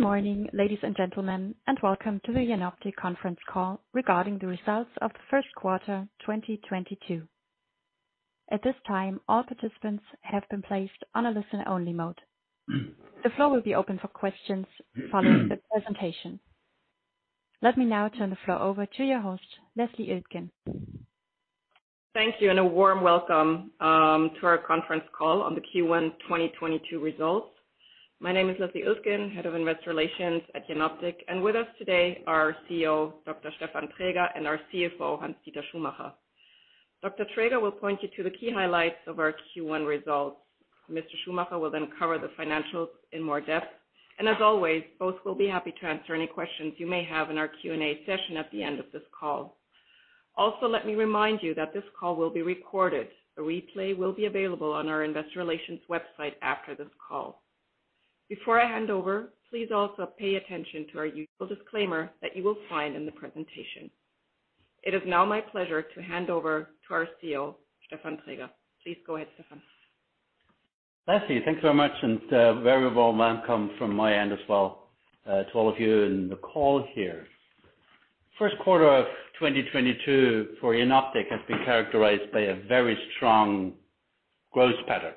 Good morning, ladies and gentlemen, and welcome to the Jenoptik conference call regarding the results of the first quarter, 2022. At this time, all participants have been placed on a listen-only mode. The floor will be open for questions following the presentation. Let me now turn the floor over to your host, Leslie Iltgen. Thank you, and a warm welcome to our conference call on the Q1 2022 results. My name is Leslie Iltgen, Head of Investor Relations at Jenoptik. With us today are CEO, Dr. Stefan Traeger, and our CFO, Hans-Dieter Schumacher. Dr. Traeger will point you to the key highlights of our Q1 results. Mr. Schumacher will then cover the financials in more depth. As always, both will be happy to answer any questions you may have in our Q&A session at the end of this call. Also, let me remind you that this call will be recorded. The replay will be available on our investor relations website after this call. Before I hand over, please also pay attention to our usual disclaimer that you will find in the presentation. It is now my pleasure to hand over to our CEO, Stefan Traeger. Please go ahead, Stefan. Leslie, thanks so much, and a very warm welcome from my end as well, to all of you in the call here. First quarter of 2022 for Jenoptik has been characterized by a very strong growth pattern.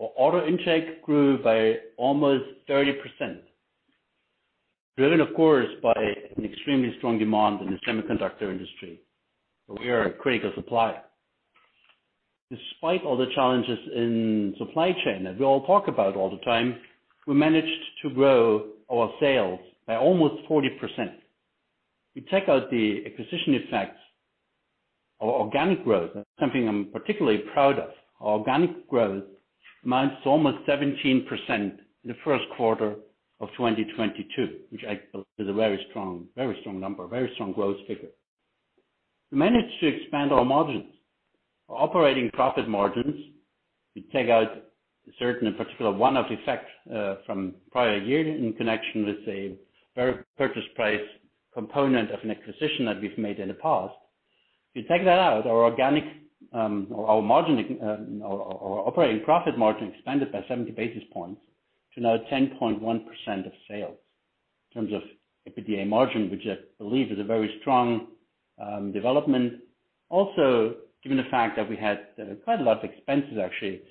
Our order intake grew by almost 30%, driven, of course, by an extremely strong demand in the semiconductor industry, where we are a critical supplier. Despite all the challenges in supply chain that we all talk about all the time, we managed to grow our sales by almost 40%. We take out the acquisition effects, our organic growth, that's something I'm particularly proud of. Our organic growth amounts to almost 17% in the first quarter of 2022, which I believe is a very strong number, very strong growth figure. We managed to expand our margins. Our operating profit margins, we take out certain, in particular, one-off effects from prior year in connection with a PPA purchase price component of an acquisition that we've made in the past. If you take that out, our organic operating profit margin expanded by 70 basis points to 10.1% of sales in terms of EBITDA margin, which I believe is a very strong development. Also, given the fact that we had quite a lot of expenses actually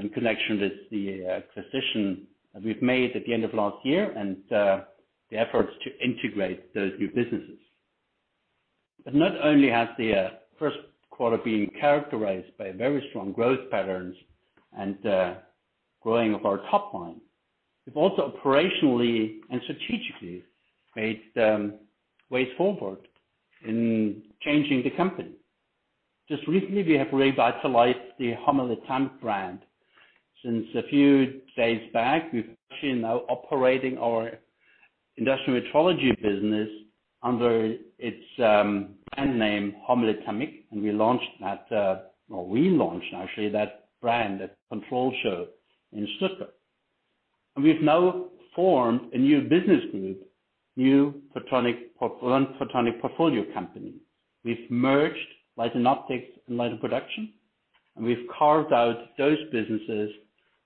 in connection with the acquisition that we've made at the end of last year and the efforts to integrate those new businesses. Not only has the first quarter been characterized by very strong growth patterns and growing of our top line, we've also operationally and strategically made ways forward in changing the company. Just recently, we have revitalized the Hommel Etamic brand. Since a few days back, we've actually now operating our industrial metrology business under its brand name, Hommel Etamic, and we launched that or relaunched actually that brand at Control show in Stuttgart. We've now formed a new business group, non-photonic portfolio company. We've merged Light & Optics and Light & Production, and we've carved out those businesses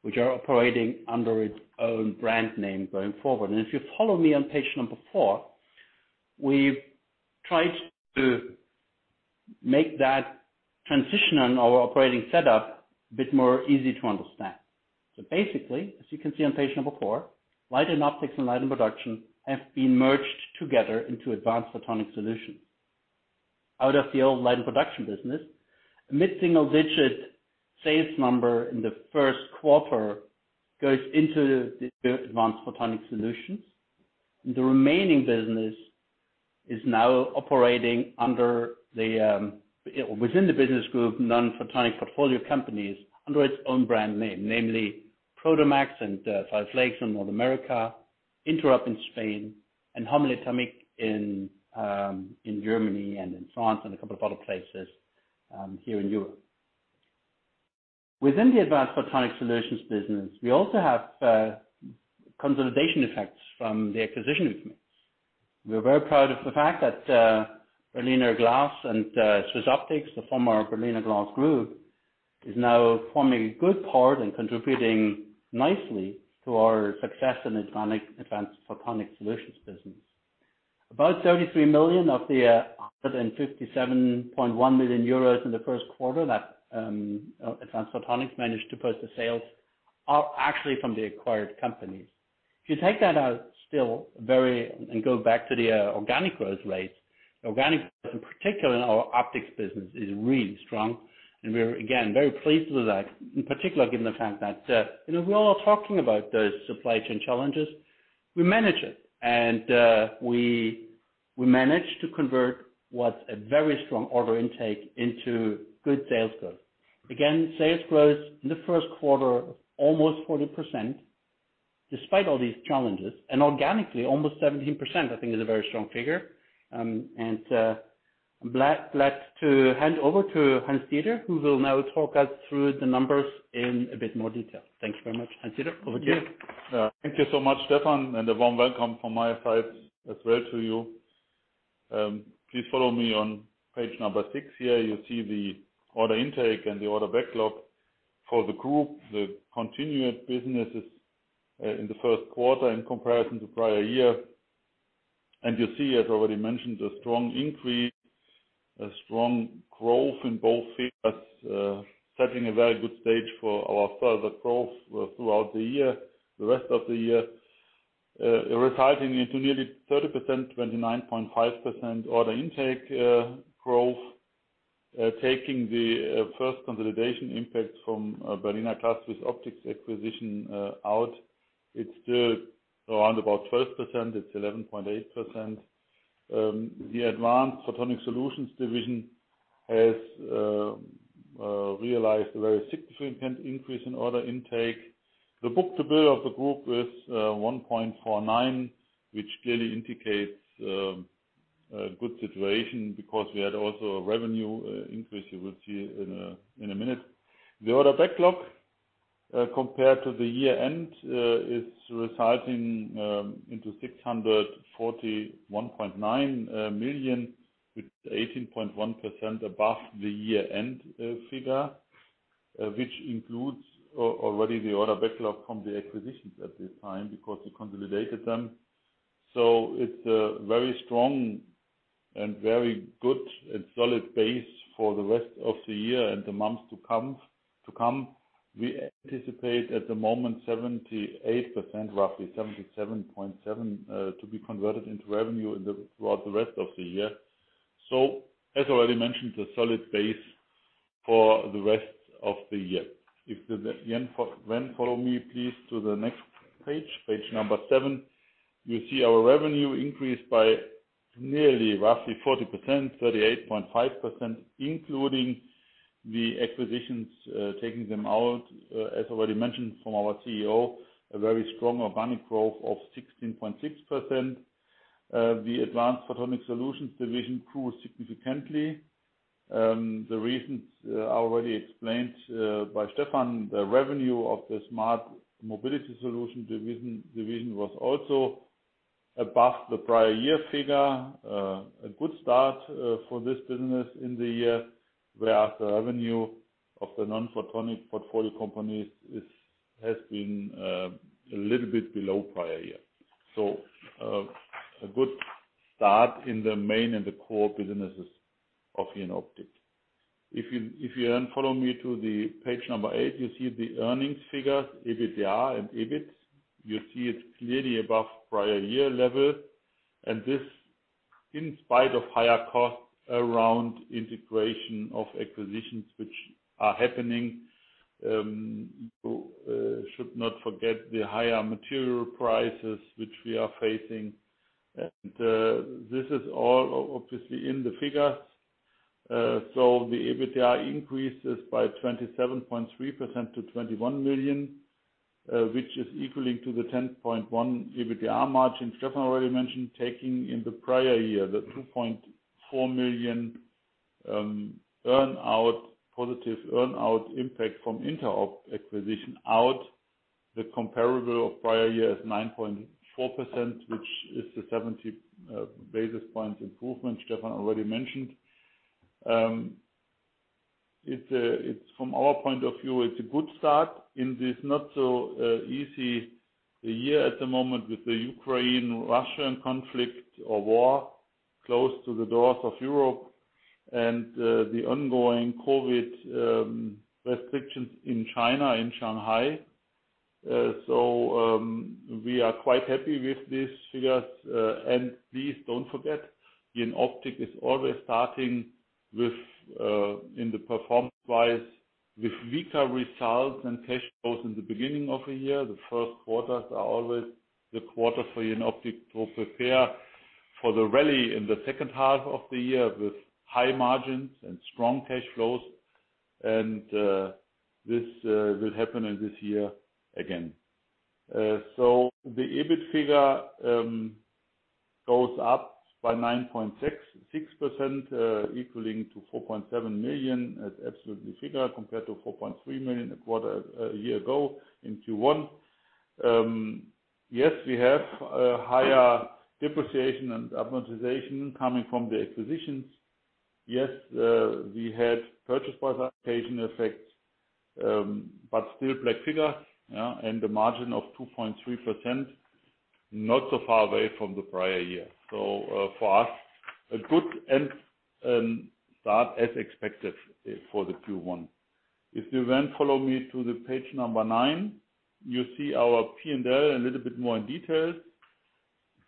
which are operating under its own brand name going forward. If you follow me on page number four, we've tried to make that transition on our operating setup a bit more easy to understand. Basically, as you can see on page number four, Light & Optics and Light & Production have been merged together into Advanced Photonic Solutions. Out of the old Light & Production business, a mid-single-digit sales number in the first quarter goes into the Advanced Photonic Solutions. The remaining business is now operating within the business group, Non-Photonic Portfolio Companies, under its own brand name, namely Prodomax and Five Lakes in North America, INTEROB in Spain, and Hommel Etamic in Germany and in France and a couple of other places here in Europe. Within the Advanced Photonic Solutions business, we also have consolidation effects from the acquisition we've made. We're very proud of the fact that Berliner Glas and SwissOptic, the former Berliner Glas Group, is now forming a good part and contributing nicely to our success in the Advanced Photonic Solutions business. About 33 million of the 157.1 million euros in the first quarter that Advanced Photonic Solutions managed to post, the sales are actually from the acquired companies. If you take that out and go back to the organic growth rates, organic growth, in particular in our optics business, is really strong. We're, again, very pleased with that, in particular, given the fact that, you know, we're all talking about those supply chain challenges. We manage it. We manage to convert what's a very strong order intake into good sales growth. Again, sales growth in the first quarter, almost 40%, despite all these challenges, and organically, almost 17%, I think is a very strong figure. I'm glad to hand over to Hans-Dieter, who will now talk us through the numbers in a bit more detail. Thank you very much. Hans-Dieter, over to you. Yeah. Thank you so much, Stefan, and a warm welcome from my side as well to you. Please follow me on page number six here. You see the order intake and the order backlog for the group, the continued businesses, in the first quarter in comparison to prior year. You see, as already mentioned, a strong increase, a strong growth in both figures, setting a very good stage for our further growth throughout the year, the rest of the year. Resulting in nearly 30%, 29.5% order intake growth. Taking the first consolidation impact from Berliner Glas with optics acquisition out, it's still around about 12%. It's 11.8%. The Advanced Photonic Solutions division has realized a very significant increase in order intake. The book-to-bill of the group is 1.49, which clearly indicates a good situation because we had also a revenue increase you will see in a minute. The order backlog compared to the year-end is rising to 641.9 million, with 18.1% above the year-end figure, which includes already the order backlog from the acquisitions at this time because we consolidated them. It's a very strong and very good and solid base for the rest of the year and the months to come. We anticipate at the moment 78%, roughly 77.7%, to be converted into revenue throughout the rest of the year. As already mentioned, a solid base for the rest of the year. If you then follow me please to the next page seven. You see our revenue increased by nearly roughly 40%, 38.5%, including the acquisitions, taking them out, as already mentioned from our CEO, a very strong organic growth of 16.6%. The Advanced Photonic Solutions division grew significantly. The reasons already explained by Stefan. The revenue of the Smart Mobility Solutions division was also above the prior year figure. A good start for this business in the year, whereas the revenue of the non-photonic portfolio companies has been a little bit below prior year. A good start in the main and the core businesses of Jenoptik. If you then follow me to the page eight, you see the earnings figures, EBITDA and EBIT. You see it clearly above prior year level, and this in spite of higher costs around integration of acquisitions which are happening. You should not forget the higher material prices which we are facing. This is all obviously in the figures. The EBITDA increases by 27.3% to 21 million, which is equaling to the 10.1% EBITDA margin Stefan already mentioned, taking in the prior year, the 2.4 million positive earn-out impact from INTEROB acquisition out. The comparable of prior year is 9.4%, which is the 70 basis points improvement Stefan already mentioned. It's from our point of view, it's a good start in this not so easy a year at the moment with the Ukraine-Russia conflict or war close to the doors of Europe and the ongoing COVID restrictions in China, in Shanghai. We are quite happy with these figures. Please don't forget, Jenoptik is always starting, performance-wise, with weaker results and cash flows in the beginning of a year. The first quarters are always the quarter for Jenoptik to prepare for the rally in the second half of the year with high margins and strong cash flows. This will happen in this year again. The EBIT figure goes up by 9.6%, equaling 4.7 million in absolute figures compared to 4.3 million a quarter a year ago in Q1. Yes, we have a higher depreciation and amortization coming from the acquisitions. Yes, we had purchase price allocation effects, but still black figure, yeah, and a margin of 2.3%, not so far away from the prior year. For us, a good start as expected for the Q1. If you then follow me to page nine, you see our P&L a little bit more in detail.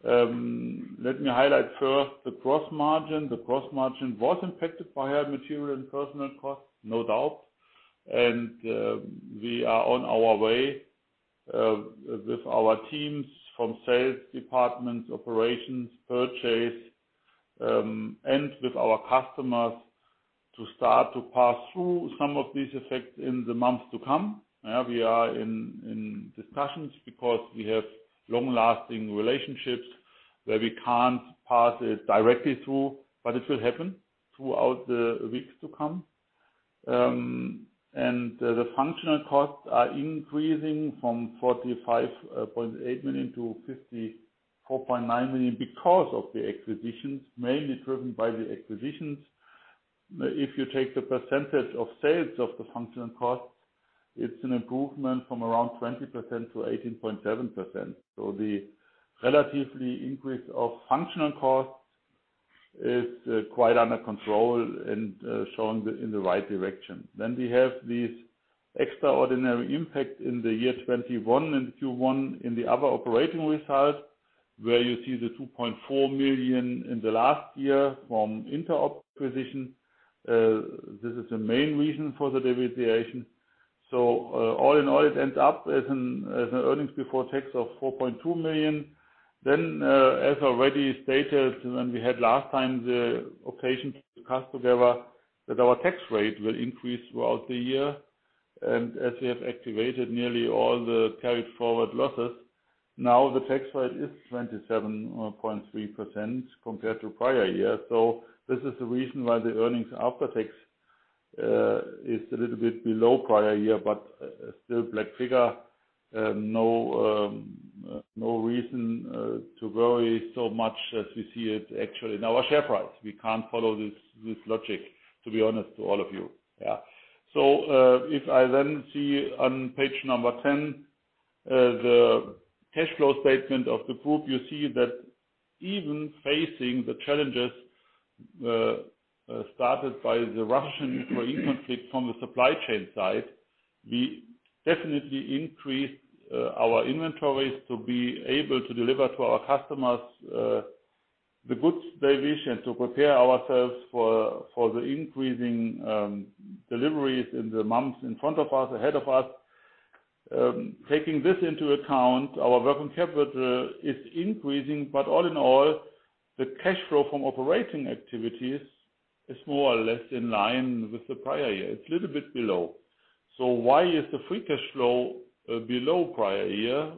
Let me highlight first the gross margin. The gross margin was impacted by higher material and personnel costs, no doubt. We are on our way with our teams from sales departments, operations, purchase, and with our customers to start to pass through some of these effects in the months to come. Yeah, we are in discussions because we have long-lasting relationships where we can't pass it directly through, but it will happen throughout the weeks to come. The functional costs are increasing from 45.8 million to 54.9 million because of the acquisitions, mainly driven by the acquisitions. If you take the percentage of sales of the functional costs, it's an improvement from around 20% to 18.7%. The relatively increase of functional costs is quite under control and showing in the right direction. We have these extraordinary impact in the year 2021 and Q1 in the other operating results, where you see the 2.4 million in the last year from INTEROB position. This is the main reason for the deviation. All in all, it ends up as an earnings before tax of 4.2 million. As already stated when we had last time the occasion to cast together that our tax rate will increase throughout the year. As we have activated nearly all the carried forward losses, now the tax rate is 27.3% compared to prior year. This is the reason why the earnings after tax is a little bit below prior year, still black figure. No reason to worry so much as we see it actually in our share price. We can't follow this logic, to be honest to all of you. Yeah. If I then see on page 10, the cash flow statement of the group, you see that even facing the challenges started by the Russia-Ukraine conflict from the supply chain side, we definitely increased our inventories to be able to deliver to our customers the goods they wish and to prepare ourselves for the increasing deliveries in the months in front of us, ahead of us. Taking this into account, our working capital is increasing, but all in all, the cash flow from operating activities is more or less in line with the prior year. It's a little bit below. Why is the free cash flow below prior year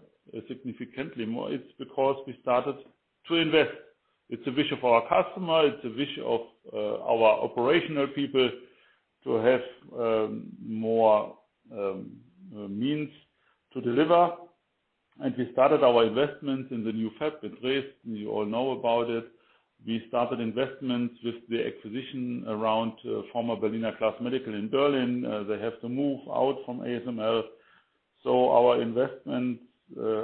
significantly more? It's because we started to invest. It's a wish of our customer. It's a wish of our operational people to have more means to deliver. We started our investments in the new fab at Wetzlar. You all know about it. We started investments with the acquisition around former Berliner Glas Medical in Berlin. They have to move out from ASML. Our investments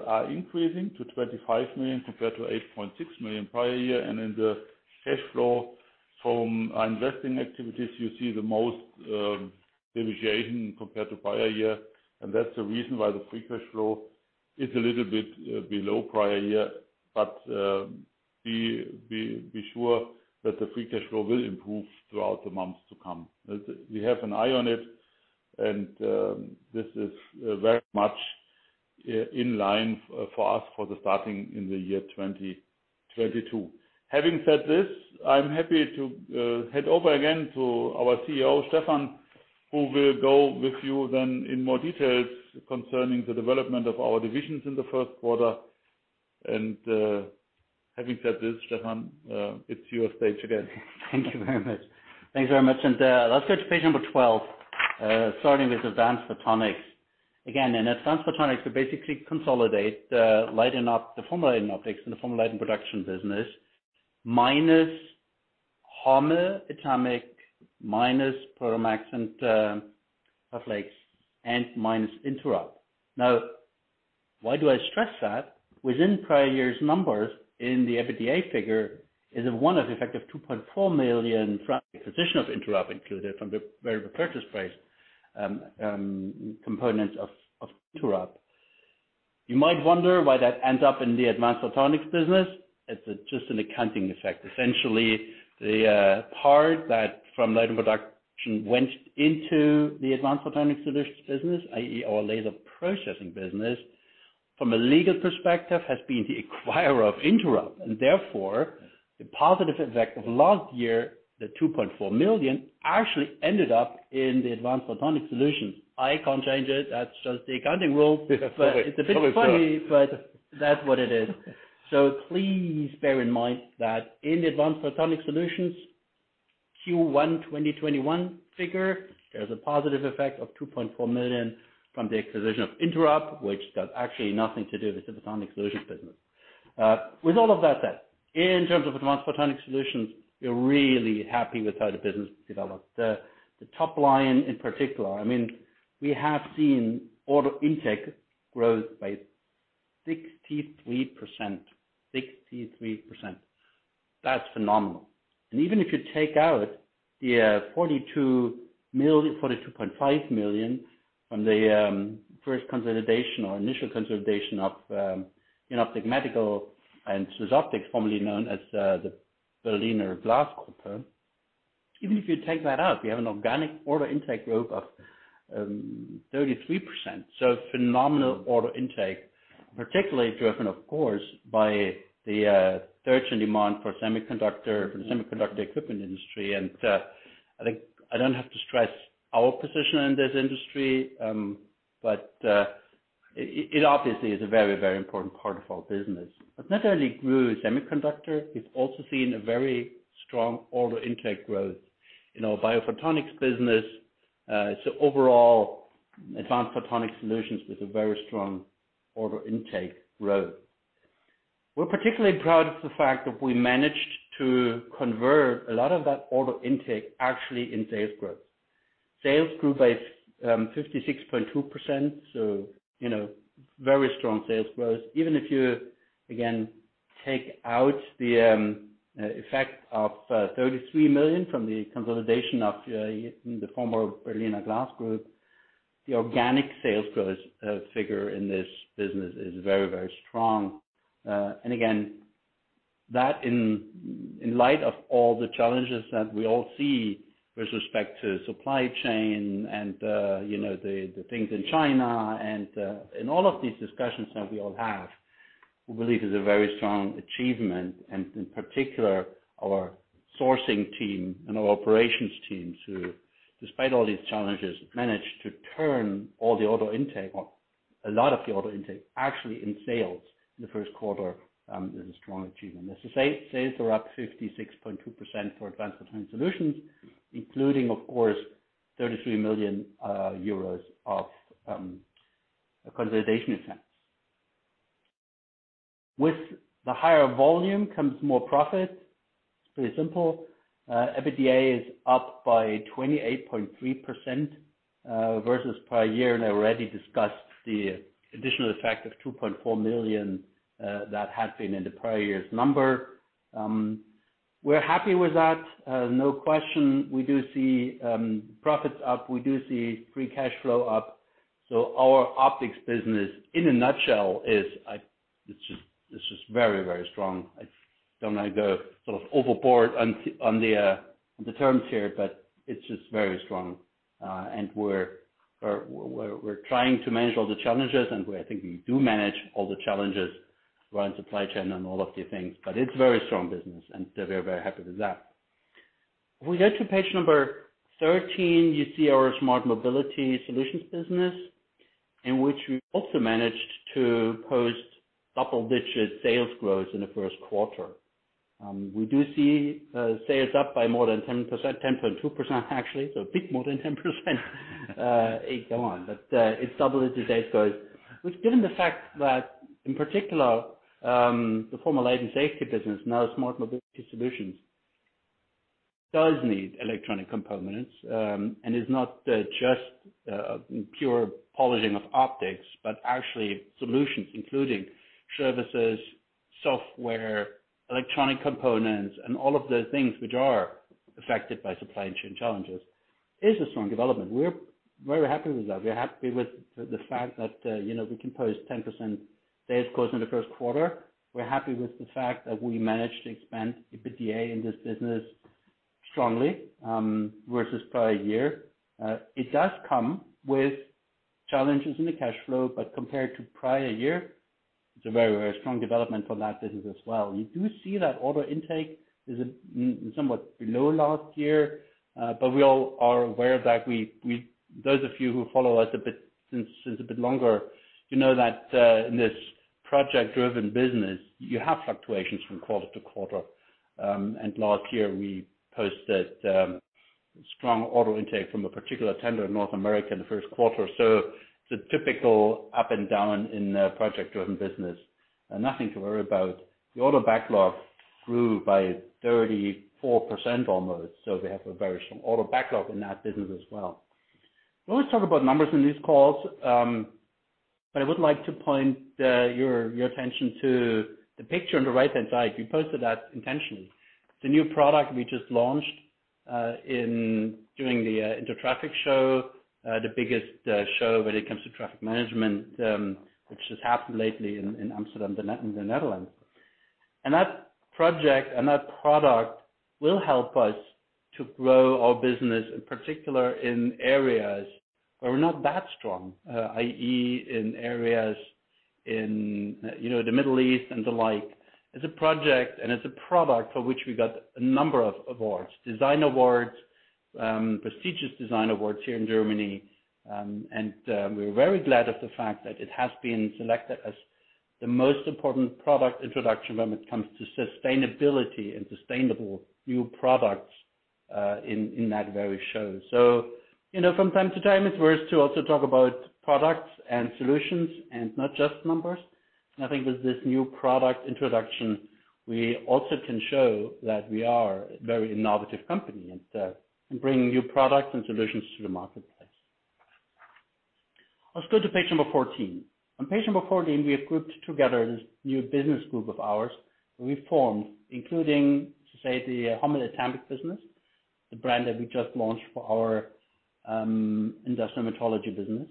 are increasing to 25 million compared to 8.6 million prior year. In the cash flow from our investing activities, you see the most deviation compared to prior year. That's the reason why the free cash flow is a little bit below prior year. Be sure that the free cash flow will improve throughout the months to come. We have an eye on it, and this is very much in line for us for the start in the year 2022. Having said this, I'm happy to hand over again to our CEO, Stefan, who will go with you then into more details concerning the development of our divisions in the first quarter. Having said this, Stefan, it's your stage again. Thank you very much. Thanks very much. Let's go to page 12, starting with Advanced Photonic Solutions. Again, in Advanced Photonic Solutions, we basically consolidate the former Light & Optics and the former Light & Production business, minus HOMMEL ETAMIC, minus Prodomax and Five Lakes, and minus INTEROB. Now, why do I stress that? Within prior year's numbers in the EBITDA figure is a one-off effect of 2.4 million from the provision of INTEROB included from the variable purchase price components of INTEROB. You might wonder why that ends up in the Advanced Photonic Solutions business. It's just an accounting effect. Essentially, the part that from Light & Production went into the Advanced Photonic Solutions business, i.e. our laser processing business, from a legal perspective, has been the acquirer of INTEROB. Therefore, the positive effect of last year, the 2.4 million, actually ended up in the Advanced Photonic Solutions. I can't change it. That's just the accounting rule. But it's a bit funny, but that's what it is. Please bear in mind that in Advanced Photonic Solutions Q1 2021 figure, there's a positive effect of 2.4 million from the acquisition of INTEROB, which does actually nothing to do with the Photonic Solutions business. With all of that said, in terms of Advanced Photonic Solutions, we're really happy with how the business developed. The top line in particular, I mean, we have seen order intake growth by 63%. That's phenomenal. Even if you take out the 42.5 million from the first consolidation or initial consolidation of BG Medical and SwissOptic, formerly known as the Berliner Glas Group, even if you take that out, you have an organic order intake growth of 33%. Phenomenal order intake, particularly driven, of course, by the surge in demand from the semiconductor equipment industry. I think I don't have to stress our position in this industry, but it obviously is a very, very important part of our business. Not only grew semiconductor, we've also seen a very strong order intake growth in our biophotonics business. Overall, Advanced Photonic Solutions with a very strong order intake growth. We're particularly proud of the fact that we managed to convert a lot of that order intake actually in sales growth. Sales grew by 56.2%, so you know, very strong sales growth. Even if you again take out the effect of 33 million from the consolidation of the former Berliner Glas Group, the organic sales growth figure in this business is very, very strong. That in light of all the challenges that we all see with respect to supply chain and you know, the things in China and in all of these discussions that we all have, we believe is a very strong achievement. In particular, our sourcing team and our operations team, despite all these challenges, managed to turn all the order intake or a lot of the order intake actually into sales in the first quarter. It is a strong achievement. Sales are up 56.2% for Advanced Photonic Solutions, including of course 33 million euros of consolidation effects. With the higher volume comes more profit. It's pretty simple. EBITDA is up by 28.3% versus prior year, and I already discussed the additional effect of 2.4 million that had been in the prior year's number. We're happy with that. No question. We do see profits up. We do see free cash flow up. Our optics business in a nutshell is—it's just very, very strong. I don't like the sort of overboard on the terms here, but it's just very strong. We're trying to manage all the challenges, and I think we do manage all the challenges around supply chain and all of these things, but it's very strong business, and we're very happy with that. If we go to page 13, you see our Smart Mobility Solutions business, in which we also managed to post double-digit sales growth in the first quarter. We do see sales up by more than 10%, 10.2% actually, so a bit more than 10%, and go on. It's double the sales growth, which given the fact that in particular the former road safety business, now Smart Mobility Solutions, does need electronic components and is not just pure polishing of optics, but actually solutions, including services, software, electronic components, and all of the things which are affected by supply chain challenges, is a strong development. We're very happy with that. We're happy with the fact that you know we can post 10% sales growth in the first quarter. We're happy with the fact that we managed to expand EBITDA in this business strongly versus prior year. It does come with challenges in the cash flow, but compared to prior year, it's a very, very strong development for that business as well. You do see that order intake is somewhat below last year, but we all are aware that those of you who follow us a bit since a bit longer, you know that in this project-driven business, you have fluctuations from quarter to quarter. Last year, we posted strong auto intake from a particular tender in North America in the first quarter. It's a typical up and down in a project-driven business and nothing to worry about. The order backlog grew by 34% almost, so we have a very strong order backlog in that business as well. We always talk about numbers in these calls, but I would like to point your attention to the picture on the right-hand side. We posted that intentionally. It's a new product we just launched in doing the Intertraffic show, the biggest show when it comes to traffic management, which has happened lately in Amsterdam, the Netherlands. That project and that product will help us to grow our business, in particular in areas where we're not that strong, i.e., in areas, you know, the Middle East and the like. It's a project and it's a product for which we got a number of awards, design awards, prestigious design awards here in Germany. We're very glad of the fact that it has been selected as the most important product introduction when it comes to sustainability and sustainable new products in that very show. You know, from time to time, it's worth to also talk about products and solutions and not just numbers. I think with this new product introduction, we also can show that we are a very innovative company and bringing new products and solutions to the marketplace. Let's go to page 14. On page 14, we have grouped together this new business group of ours we formed, including, to say, the HOMMEL ETAMIC business, the brand that we just launched for our industrial metrology business,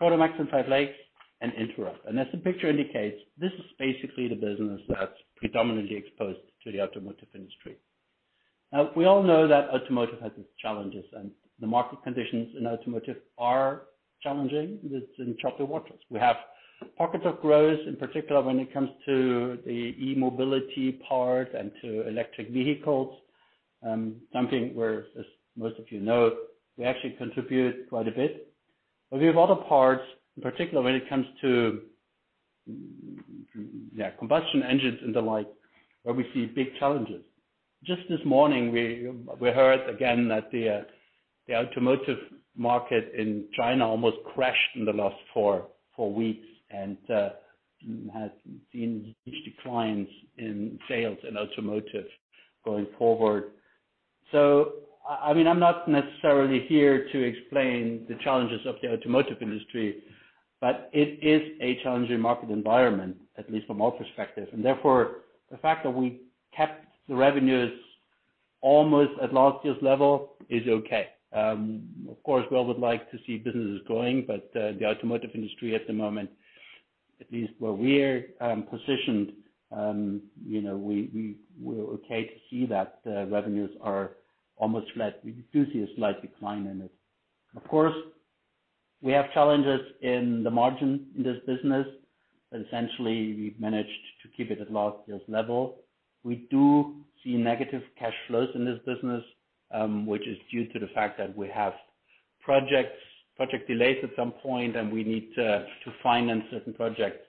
Prodomax and Five Lakes, and INTEROB. As the picture indicates, this is basically the business that's predominantly exposed to the automotive industry. Now, we all know that automotive has its challenges, and the market conditions in automotive are challenging. It's in choppy waters. We have pockets of growth, in particular when it comes to the e-mobility part and to electric vehicles. Something where as most of you know, we actually contribute quite a bit. But we have other parts, in particular when it comes to, yeah, combustion engines and the like, where we see big challenges. Just this morning we heard again that the automotive market in China almost crashed in the last four weeks and has seen huge declines in sales in automotive going forward. I mean, I'm not necessarily here to explain the challenges of the automotive industry, but it is a challenging market environment, at least from our perspective. Therefore, the fact that we kept the revenues almost at last year's level is okay. Of course, we all would like to see businesses growing, but the automotive industry at the moment, at least where we're positioned, you know, we were okay to see that the revenues are almost flat. We do see a slight decline in it. Of course, we have challenges in the margin in this business, but essentially we've managed to keep it at last year's level. We do see negative cash flows in this business, which is due to the fact that we have project delays at some point, and we need to finance certain projects.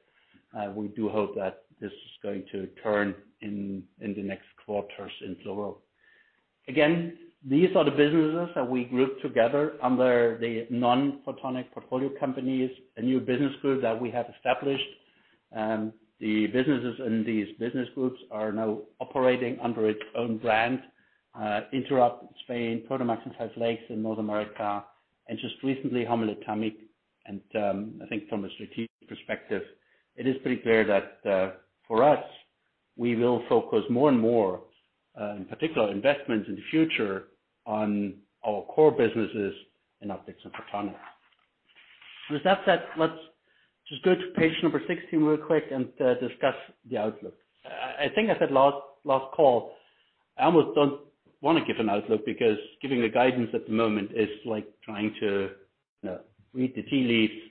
We do hope that this is going to turn in the next quarters in full. Again, these are the businesses that we grouped together under the Non-Photonic Portfolio Companies, a new business group that we have established. The businesses in these business groups are now operating under its own brand, INTEROB Spain, Prodomax, Five Lakes in North America, and just recently HOMMEL ETAMIC. I think from a strategic perspective, it is pretty clear that for us, we will focus more and more, in particular investments in the future on our core businesses in optics and photonics. With that said, let's just go to page 16 real quick and discuss the outlook. I think I said last call, I almost don't wanna give an outlook because giving a guidance at the moment is like trying to read the tea leaves.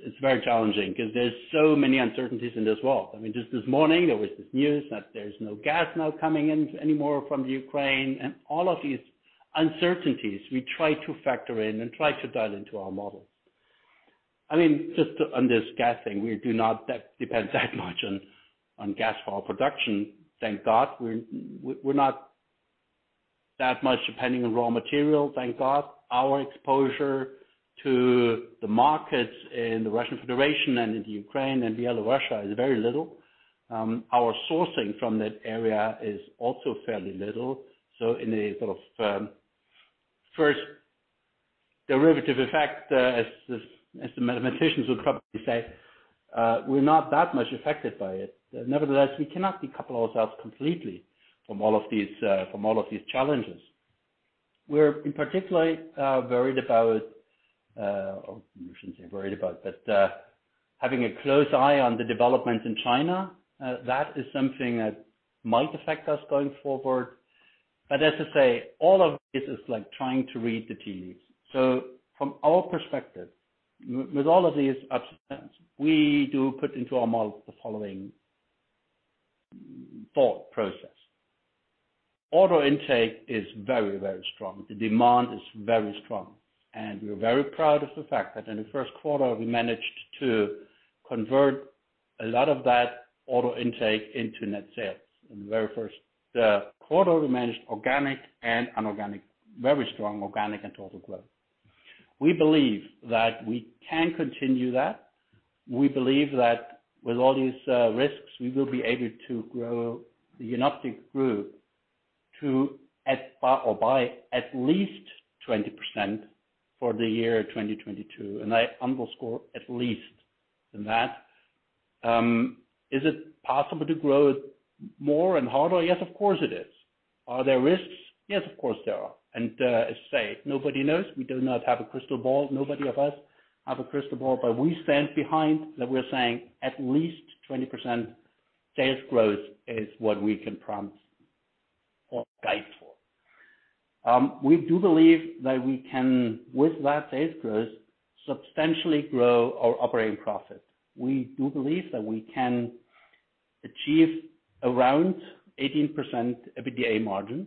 It's very challenging 'cause there's so many uncertainties in this world. I mean, just this morning, there was this news that there's no gas now coming in anymore from the Ukraine. All of these uncertainties we try to factor in and try to dial into our models. I mean, just on this gas thing, we do not depend that much on gas for our production. Thank God, we're not that much depending on raw material, thank God. Our exposure to the markets in the Russian Federation and in the Ukraine and Belarus is very little. Our sourcing from that area is also fairly little. In a sort of first derivative effect, as the mathematicians would probably say, we're not that much affected by it. Nevertheless, we cannot decouple ourselves completely from all of these challenges. We're particularly having a close eye on the development in China. That is something that might affect us going forward. As I say, all of this is like trying to read the tea leaves. From our perspective, with all of these upsets, we do put into our model the following thought process. Order intake is very, very strong. The demand is very strong, and we're very proud of the fact that in the first quarter, we managed to convert a lot of that order intake into net sales. In the very first quarter, we managed organic and inorganic, very strong organic and total growth. We believe that we can continue that. We believe that with all these risks, we will be able to grow the Jenoptik group by at least 20% for the year 2022, and I underscore at least and that. Is it possible to grow more and harder? Yes, of course it is. Are there risks? Yes, of course there are. As said, nobody knows. We do not have a crystal ball. Nobody of us have a crystal ball. We stand behind that we're saying at least 20% sales growth is what we can promise or guide for. We do believe that we can, with that sales growth, substantially grow our operating profit. We do believe that we can achieve around 18% EBITDA margin.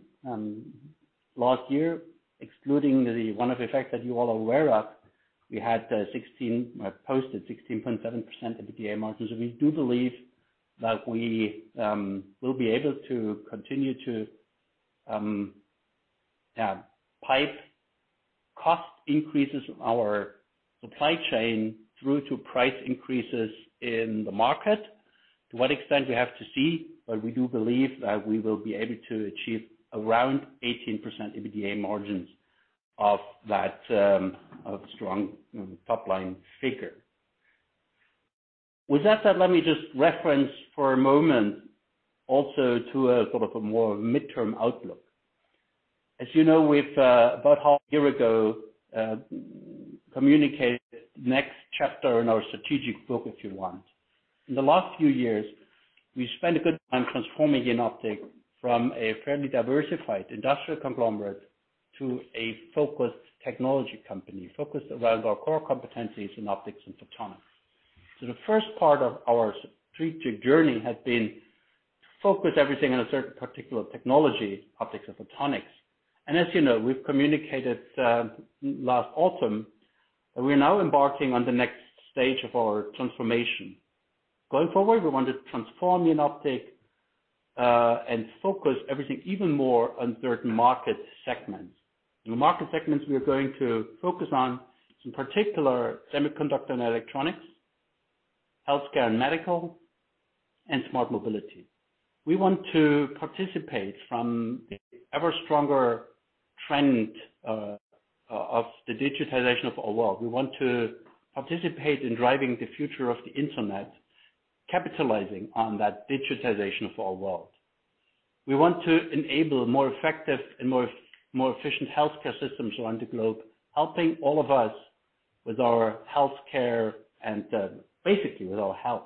Last year, excluding the one-off effect that you all are aware of, we posted 16.7% EBITDA margin. We do believe that we will be able to continue to pipe cost increases our supply chain through to price increases in the market. To what extent we have to see, but we do believe that we will be able to achieve around 18% EBITDA margins of that, of strong top-line figure. With that said, let me just reference for a moment also to a sort of a more midterm outlook. As you know, we've about half a year ago communicated next chapter in our strategic book, if you want. In the last few years, we spent a good time transforming Jenoptik from a fairly diversified industrial conglomerate to a focused technology company, focused around our core competencies in optics and photonics. The first part of our strategic journey had been to focus everything on a certain particular technology, optics and photonics. As you know, we've communicated last autumn that we're now embarking on the next stage of our transformation. Going forward, we want to transform Jenoptik and focus everything even more on certain market segments. The market segments we are going to focus on, in particular, semiconductor and electronics, healthcare and medical, and smart mobility. We want to participate in the ever-stronger trend of the digitization of our world. We want to participate in driving the future of the Internet, capitalizing on that digitization of our world. We want to enable more effective and more efficient healthcare systems around the globe, helping all of us with our healthcare and basically with our health.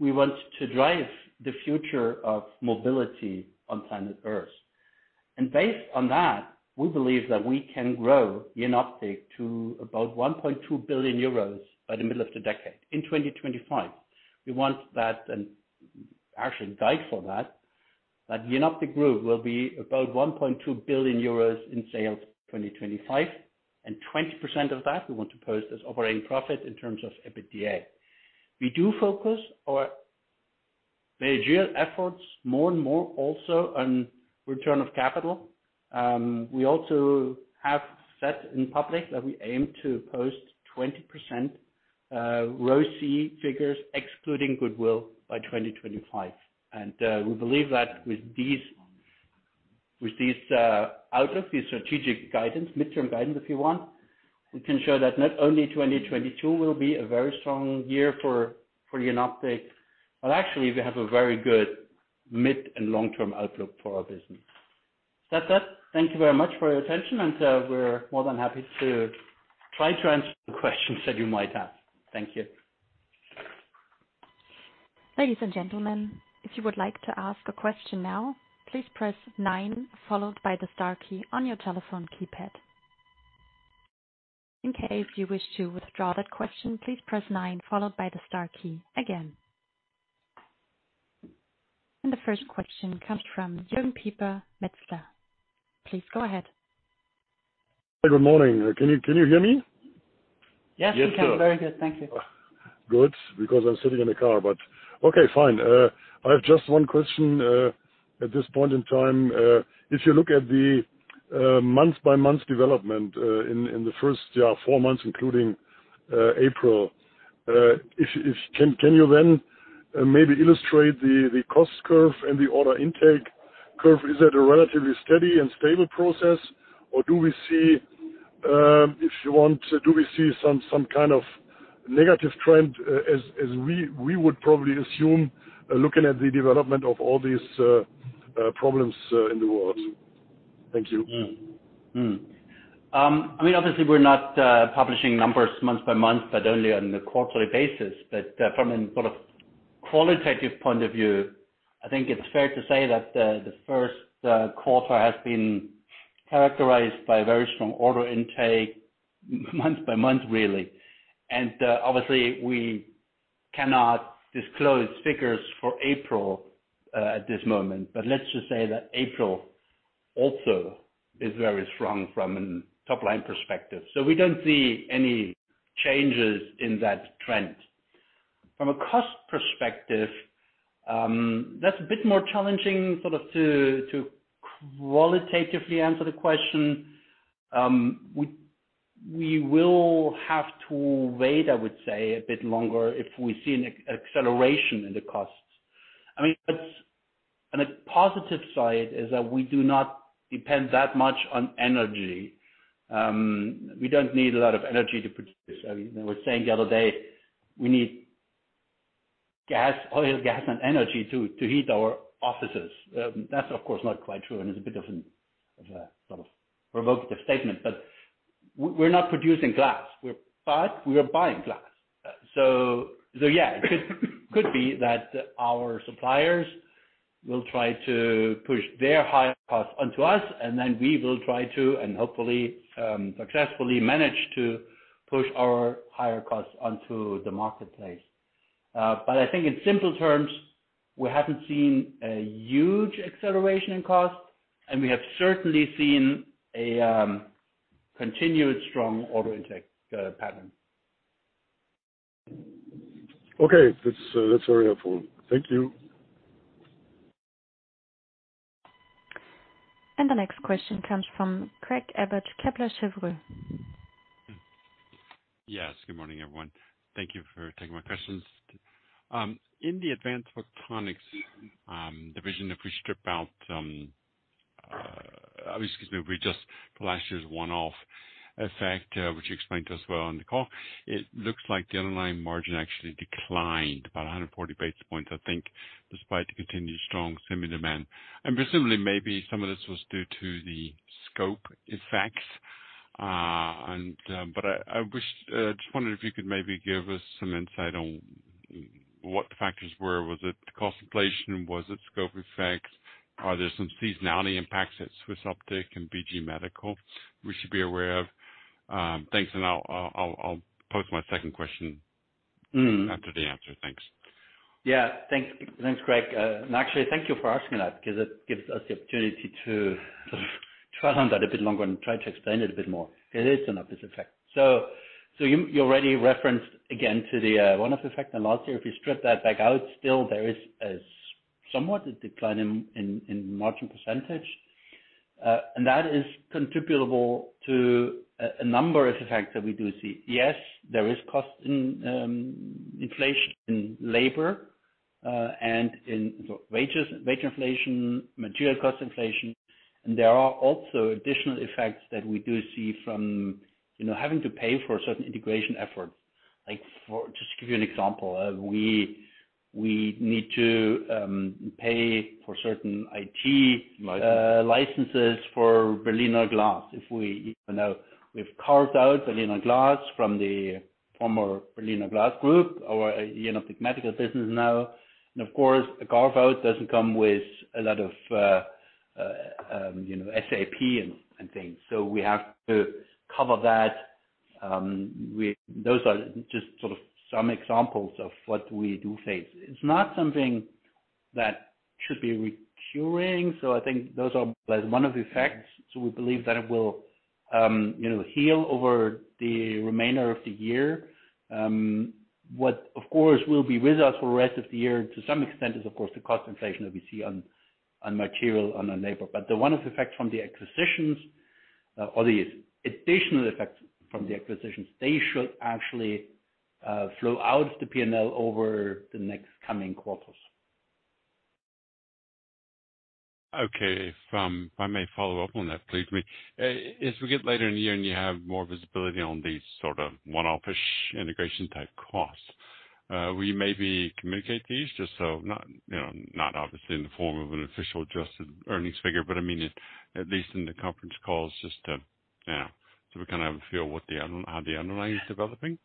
We want to drive the future of mobility on planet Earth. Based on that, we believe that we can grow Jenoptik to about 1.2 billion euros by the middle of the decade, in 2025. We want that and actually guide for that Jenoptik Group will be about 1.2 billion euros in sales in 2025, and 20% of that we want to post as operating profit in terms of EBITDA. We do focus our managerial efforts more and more also on return on capital. We also have set in public that we aim to post 20% ROCE figures excluding goodwill by 2025. We believe that with these outlook, the strategic guidance, mid-term guidance, if you want, we can show that not only 2022 will be a very strong year for Jenoptik, but actually we have a very good mid- and long-term outlook for our business. That said, thank you very much for your attention, and we're more than happy to try to answer the questions that you might have. Thank you. Ladies and gentlemen, if you would like to ask a question now, please press nine followed by the star key on your telephone keypad. In case you wish to withdraw that question, please press nine followed by the star key again. The first question comes from Jürgen Pieper, Metzler. Please go ahead. Good morning. Can you hear me? Yes, we can. Very good. Thank you. Good, because I'm sitting in a car, but okay, fine. I have just one question at this point in time. If you look at the month-by-month development in the first four months, including April, can you then maybe illustrate the cost curve and the order intake curve? Is that a relatively steady and stable process, or do we see, if you want, do we see some kind of negative trend as we would probably assume looking at the development of all these problems in the world? Thank you. I mean, obviously we're not publishing numbers month by month, but only on a quarterly basis. From a sort of qualitative point of view, I think it's fair to say that the first quarter has been characterized by very strong order intake month by month, really. Obviously we cannot disclose figures for April at this moment. Let's just say that April also is very strong from a top-line perspective. We don't see any changes in that trend. From a cost perspective, that's a bit more challenging sort of to qualitatively answer the question. We will have to wait, I would say, a bit longer if we see an acceleration in the costs. I mean, that's on a positive side is that we do not depend that much on energy. We don't need a lot of energy to produce. I mean, they were saying the other day we need gas, oil, gas and energy to heat our offices. That's of course not quite true and is a bit of a sort of provocative statement. We're not producing glass. We are buying glass. Yeah, it could be that our suppliers will try to push their higher costs onto us, and then we will try to and hopefully successfully manage to push our higher costs onto the marketplace. I think in simple terms, we haven't seen a huge acceleration in cost, and we have certainly seen a continued strong order intake pattern. Okay. That's very helpful. Thank you. The next question comes from Craig Abbott, Kepler Cheuvreux. Yes. Good morning, everyone. Thank you for taking my questions. In the Advanced Photonic Solutions division, if we adjust for last year's one-off effect, which you explained to us well on the call, it looks like the underlying margin actually declined about 140 basis points, I think, despite the continued strong semi demand. Presumably maybe some of this was due to the scope effects. I was just wondering if you could maybe give us some insight on what the factors were. Was it cost inflation? Was it scope effects? Are there some seasonality impacts at SwissOptic and BG Medical we should be aware of? Thanks, and I'll pose my second question. Mm. after the answer. Thanks. Yeah, thanks. Thanks, Greg. Actually, thank you for asking that because it gives us the opportunity to sort of touch on that a bit longer and try to explain it a bit more. It is an obvious effect. You already referenced again to the one-off effect from last year. If you strip that back out, still there is somewhat a decline in margin percentage. That is attributable to a number of effects that we do see. Yes, there is cost inflation in labor and in wages, wage inflation, material cost inflation. There are also additional effects that we do see from, you know, having to pay for certain integration efforts. Just to give you an example, we need to pay for certain IT- Licensing. Licenses for Berliner Glas. If we, you know, we've carved out Berliner Glas from the former Berliner Glas group, our, you know, BG Medical business now. Of course, a carve-out doesn't come with a lot of, you know, SAP and things. We have to cover that. Those are just sort of some examples of what we do face. It's not something that should be recurring. I think those are like one of the effects. We believe that it will, you know, heal over the remainder of the year. What of course will be with us for the rest of the year to some extent is of course the cost inflation that we see on material and on labor. The one-off effect from the acquisitions, or the additional effects from the acquisitions, they should actually flow out of the P&L over the next coming quarters. Okay. If I may follow up on that, please, as we get later in the year, and you have more visibility on these sort of one-off-ish integration type costs, will you maybe communicate these just so not, you know, not obviously in the form of an official adjusted earnings figure, but I mean, at least in the conference calls, just to, yeah, so we kinda have a feel how the underlying is developing?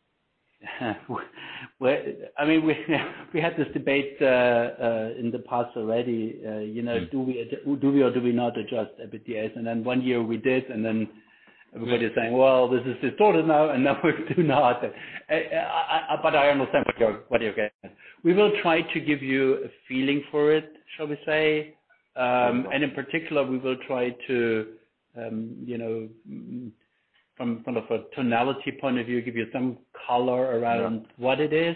Well, I mean, we had this debate in the past already. You know. Mm. Do we or do we not adjust EBITDA? Then one year we did, and then everybody is saying, "Well, this is distorted now, and now we do not." But I understand what you're getting at. We will try to give you a feeling for it, shall we say. In particular, we will try to, you know, from a tonality point of view, give you some color around. Yeah. What it is.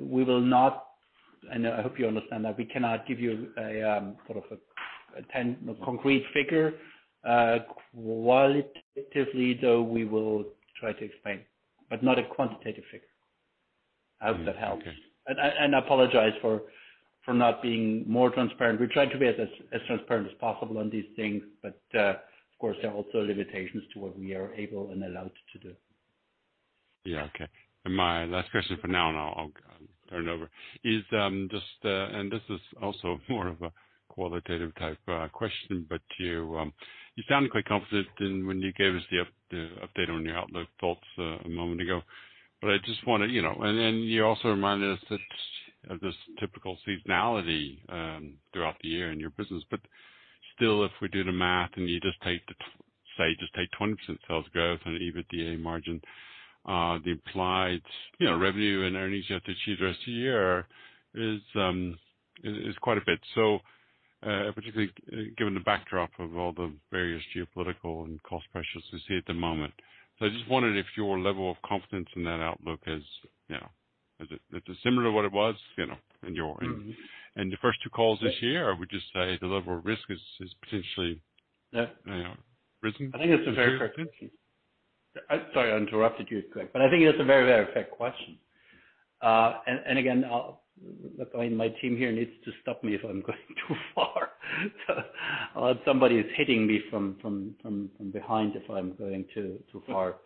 We will not, and I hope you understand that, we cannot give you a sort of a too concrete figure. Qualitatively, though, we will try to explain, but not a quantitative figure. I hope that helps. Okay. I apologize for not being more transparent. We try to be as transparent as possible on these things, but of course, there are also limitations to what we are able and allowed to do. Yeah. Okay. My last question for now, and I'll turn it over, is just and this is also more of a qualitative type question, but you sounded quite confident in when you gave us the update on your outlook thoughts a moment ago. I just wanna, you know. You also reminded us that of this typical seasonality throughout the year in your business. Still, if we do the math and you just take, say, just take 20% sales growth and EBITDA margin, the implied, you know, revenue and earnings you have to achieve the rest of the year is quite a bit, so particularly given the backdrop of all the various geopolitical and cost pressures we see at the moment. I just wondered if your level of confidence in that outlook is, you know, is it similar to what it was, you know, in your- Mm-hmm. in the first two calls this year? Or would you say the level of risk is potentially- Yeah. You know, risen? I think it's a very fair question. Sorry, I interrupted you, Craig Abbott, but I think it's a very fair question. And again, look, I mean, my team here needs to stop me if I'm going too far. Somebody is hitting me from behind if I'm going too far.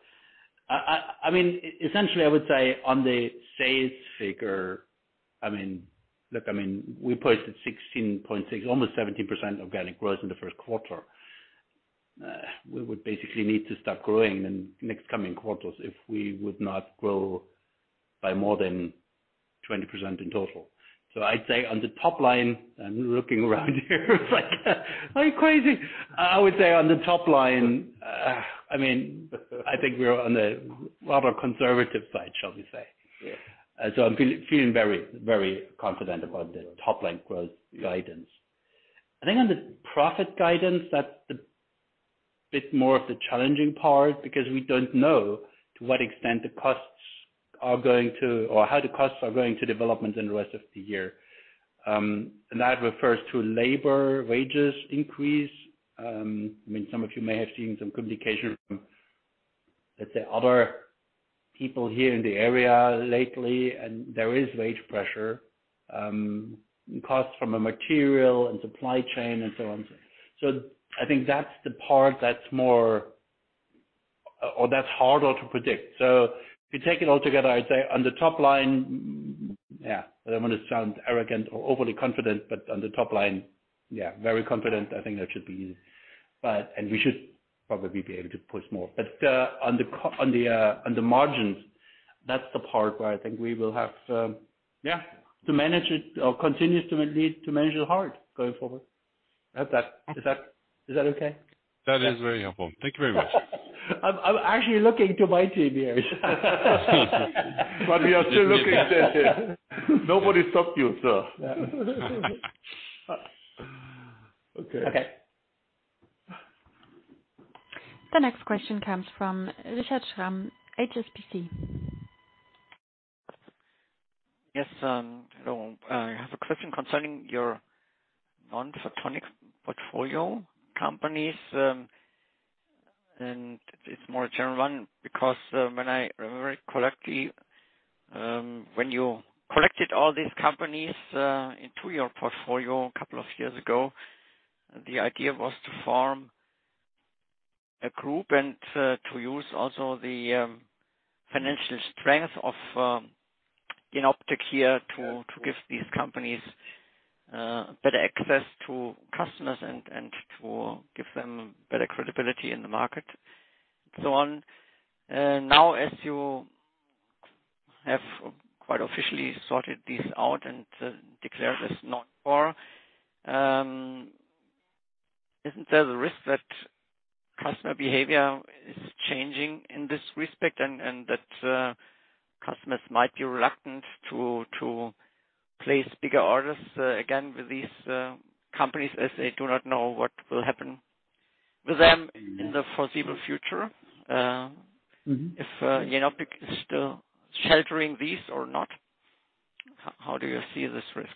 I mean, essentially, I would say on the sales figure, I mean, look, I mean, we posted 16.6, almost 17% organic growth in the first quarter. We would basically need to start growing in next coming quarters if we would not grow by more than 20% in total. I'd say on the top line, I'm looking around here. It's like, are you crazy? I would say on the top line, I mean, I think we're on the rather conservative side, shall we say. Yeah. I'm feeling very, very confident about the top-line growth guidance. I think on the profit guidance, that's the bit more of the challenging part because we don't know to what extent the costs are going to or how the costs are going to develop in the rest of the year. And that refers to labor wage increases. I mean, some of you may have seen some communication from, let's say, other people here in the area lately, and there is wage pressure, costs from raw material and supply chain and so on. I think that's the part that's more or harder to predict. If you take it all together, I'd say on the top line, yeah, I don't wanna sound arrogant or overly confident, but on the top line, yeah, very confident. I think that should be. We should probably be able to push more. On the margins, that's the part where I think we will have to manage it or continue to need to manage it hard going forward. Is that okay? That is very helpful. Thank you very much. I'm actually looking to my team here. We are still looking. Nobody stopped you, so. Okay. Okay. The next question comes from Richard Schramm, HSBC. Yes. Hello. I have a question concerning your Non-Photonic Portfolio Companies. It's more a general one because, when I remember it correctly, when you collected all these companies into your portfolio a couple of years ago, the idea was to form a group and to use also the financial strength of Jenoptik here to give these companies better access to customers and to give them better credibility in the market and so on. Now, as you have quite officially sorted this out and declared as not core, isn't there the risk that customer behavior is changing in this respect and that customers might be reluctant to place bigger orders again with these companies as they do not know what will happen with them in the foreseeable future? Mm-hmm. If Jenoptik is still sheltering these or not. How do you see this risk?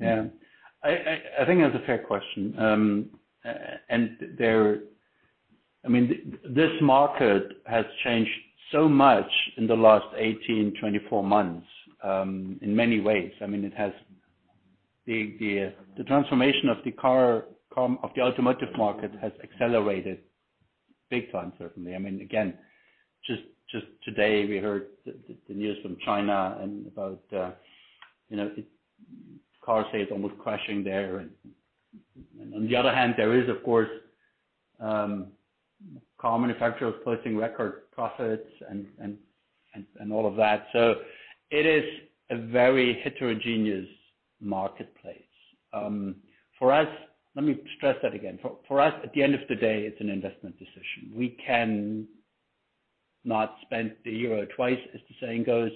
Yeah. I think that's a fair question. I mean, this market has changed so much in the last 18, 24 months, in many ways. I mean, it has the transformation of the automotive market has accelerated big time, certainly. I mean, again, just today we heard the news from China and about, you know, car sales almost crashing there. On the other hand, there is of course, car manufacturers posting record profits and all of that. It is a very heterogeneous marketplace. For us. Let me stress that again. For us, at the end of the day, it's an investment decision. We can not spend the euro twice, as the saying goes.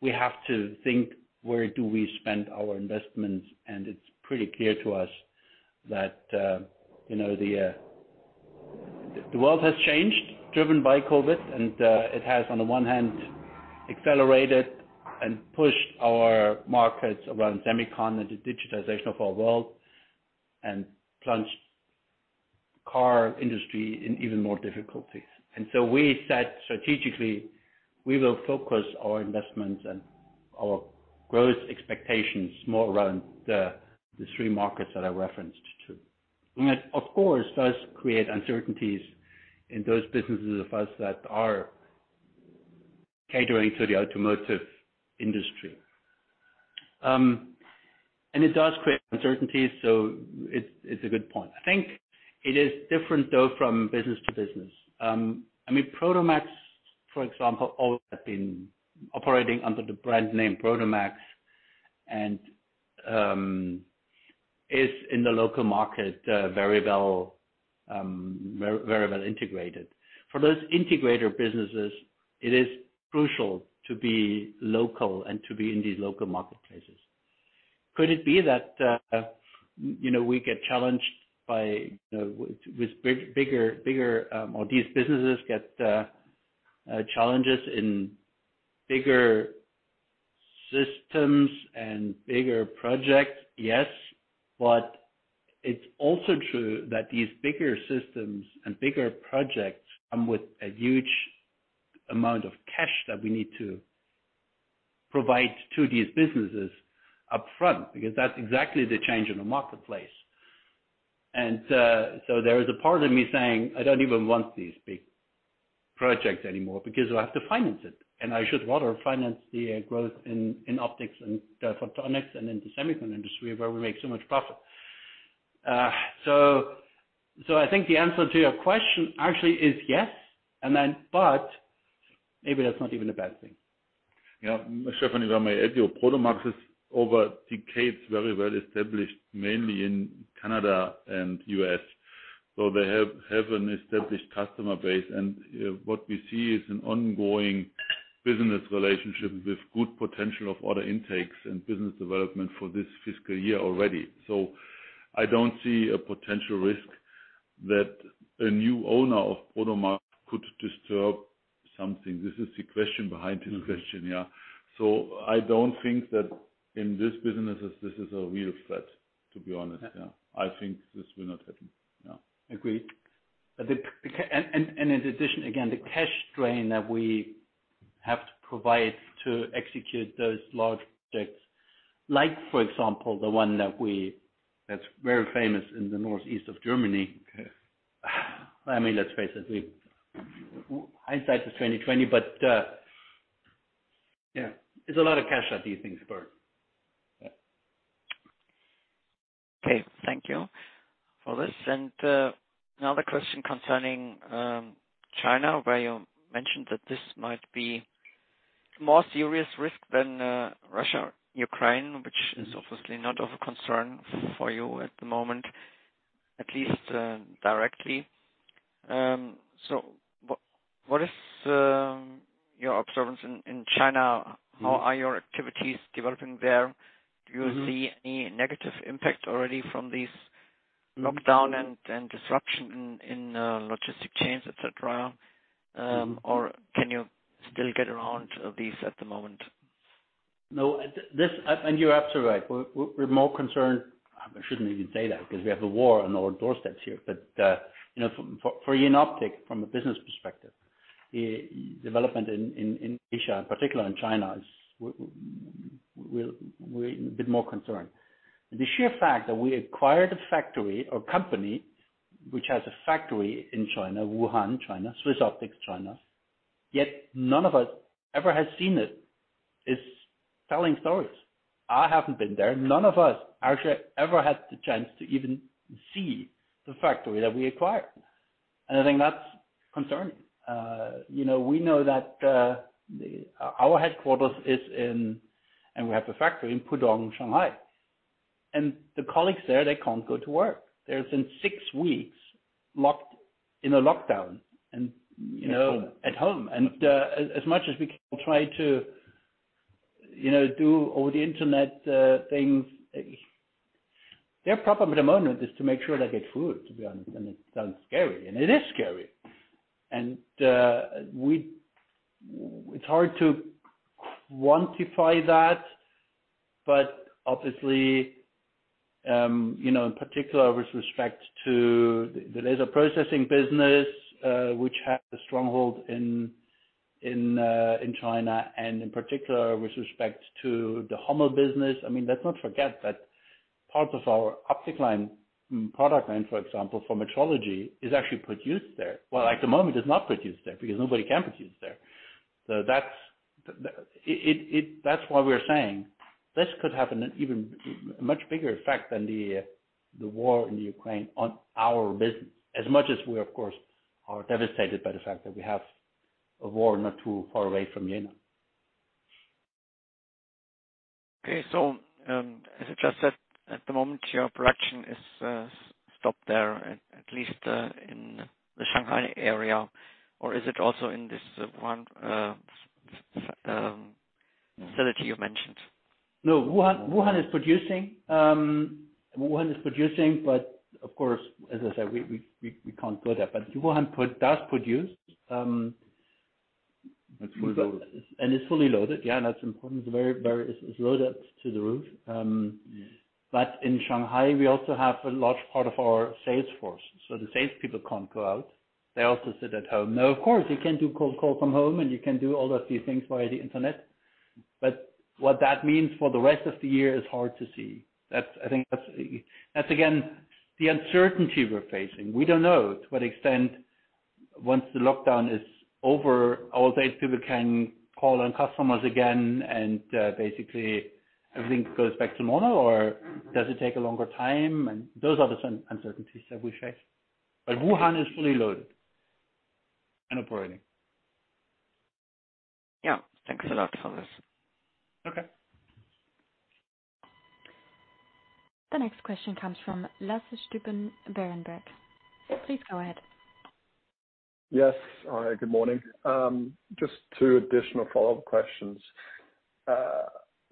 We have to think, where do we spend our investments? It's pretty clear to us that, you know, the world has changed, driven by COVID. It has, on the one hand, accelerated and pushed our markets around semicon and the digitization of our world and plunged car industry in even more difficulties. We said strategically, we will focus our investments and our growth expectations more around the three markets that I referenced to. I mean, that of course does create uncertainties in those businesses of us that are catering to the automotive industry. It does create uncertainties, so it's a good point. I think it is different, though, from business to business. I mean, Prodomax, for example, always have been operating under the brand name Prodomax and is in the local market very well integrated. For those integrator businesses, it is crucial to be local and to be in these local marketplaces. Could it be that you know we get challenged by bigger you know or these businesses get challenges in bigger systems and bigger projects? Yes. It's also true that these bigger systems and bigger projects come with a huge amount of cash that we need to provide to these businesses upfront, because that's exactly the change in the marketplace. There is a part of me saying I don't even want these big projects anymore because I have to finance it, and I should rather finance the growth in optics and photonics and in the semiconductor industry where we make so much profit. I think the answer to your question actually is yes, and then, but maybe that's not even a bad thing. Yeah. Stefan, let me add here. Prodomax is over decades very well established, mainly in Canada and U.S. So they have an established customer base. What we see is an ongoing business relationship with good potential of order intakes and business development for this fiscal year already. So I don't see a potential risk that a new owner of Prodomax could disturb something. This is the question behind the question, yeah. So I don't think that in this businesses, this is a real threat, to be honest. Yeah. I think this will not happen. Yeah. Agreed. In addition, again, the cash drain that we have to provide to execute those large projects, like for example, the one that's very famous in the northeast of Germany. I mean, let's face it, hindsight is 20/20, but yeah. It's a lot of cash that these things burn. Okay. Thank you for this. Another question concerning China, where you mentioned that this might be more serious risk than Russia, Ukraine, which is obviously not of concern for you at the moment, at least, directly. What is your observance in China? How are your activities developing there? Do you see any negative impact already from these lockdown and disruption in logistics chains, et cetera? Can you still get around these at the moment? No, you're absolutely right. We're more concerned. I shouldn't even say that because we have a war on our doorsteps here. You know, from for Jenoptik, from a business perspective, development in Asia, in particular in China, is we're a bit more concerned. The sheer fact that we acquired a factory or company which has a factory in China, Wuhan, China, SwissOptic China, yet none of us ever has seen it, is telling stories. I haven't been there. None of us actually ever had the chance to even see the factory that we acquired. I think that's concerning. We know that our headquarters is in, and we have a factory in Pudong, Shanghai. The colleagues there, they can't go to work. They're since six weeks locked in a lockdown and, you know, at home. As much as we can try to, you know, do all the internet things, their problem at the moment is to make sure they get food, to be honest. It sounds scary, and it is scary. It's hard to quantify that. But obviously, you know, in particular with respect to the laser processing business, which has a stronghold in China and in particular with respect to the Hommel business. I mean, let's not forget that part of our optic line, product line, for example, for metrology, is actually produced there. Well, at the moment, it's not produced there because nobody can produce there. That's why we're saying this could have an even much bigger effect than the war in Ukraine on our business. As much as we, of course, are devastated by the fact that we have a war not too far away from Jena. Okay. As I just said, at the moment, your production is stopped there, at least in the Shanghai area, or is it also in this one facility you mentioned? No. Wuhan is producing. Wuhan is producing, but of course, as I said, we can't go there. Wuhan does produce. It's fully loaded. It's fully loaded. Yeah, that's important. It's loaded to the roof. In Shanghai, we also have a large part of our sales force. The sales people can't go out. They also sit at home. Now, of course, you can do cold call from home and you can do all of these things via the internet. What that means for the rest of the year is hard to see. That's, I think, again, the uncertainty we're facing. We don't know to what extent once the lockdown is over, our sales people can call on customers again and basically everything goes back to normal or does it take a longer time? Those are the uncertainties that we face. Wuhan is fully loaded and operating. Yeah. Thanks a lot for this. Okay. The next question comes from Lasse Stüben, Berenberg. Please go ahead. Yes. All right. Good morning. Just two additional follow-up questions.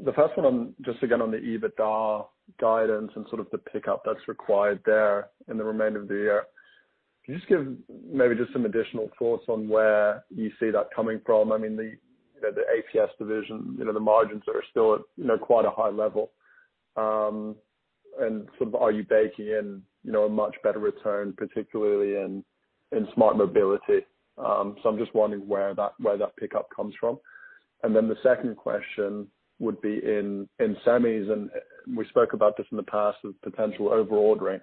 The first one, just again, on the EBITDA guidance and sort of the pickup that's required there in the remainder of the year. Can you just give maybe just some additional thoughts on where you see that coming from? I mean, you know, the APS division, you know, the margins are still at, you know, quite a high level. And sort of are you baking in, you know, a much better return, particularly in smart mobility? So I'm just wondering where that pickup comes from. Then the second question would be in semis, and we spoke about this in the past on potential over-ordering.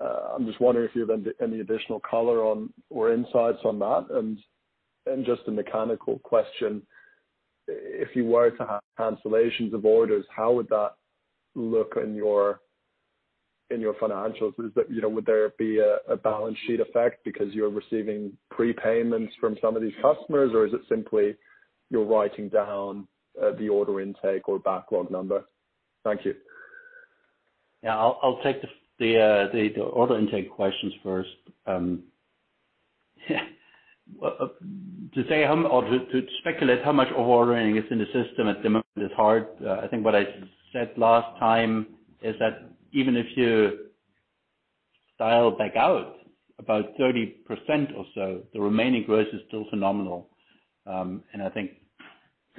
I'm just wondering if you have any additional color on or insights on that. Just a mechanical question, if you were to have cancellations of orders, how would that look in your financials? Is that, you know, would there be a balance sheet effect because you're receiving prepayments from some of these customers, or is it simply you're writing down the order intake or backlog number? Thank you. I'll take the order intake questions first. Well, to say how much or to speculate how much over-ordering is in the system at the moment is hard. I think what I said last time is that even if you dial back out about 30% or so, the remaining growth is still phenomenal.